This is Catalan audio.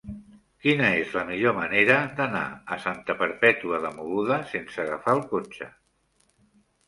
Quina és la millor manera d'anar a Santa Perpètua de Mogoda sense agafar el cotxe?